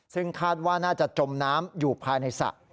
ซึ่งคาดว่าน่าจะจมน้ำอยู่ภายในสระ